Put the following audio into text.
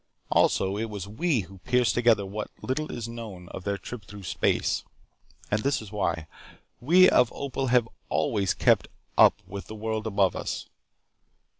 Also, it was we who pieced together what little is known of their trip through space. And this is why: "We of Opal have always kept up with the world above us.